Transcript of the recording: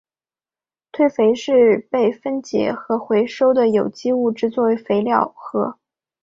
堆肥是被分解和回收的有机物质作为肥料和。